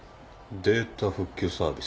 「データ復旧サービス」